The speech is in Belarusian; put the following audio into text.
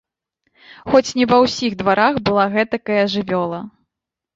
Хоць не ва ўсіх дварах была гэтакая жывёла!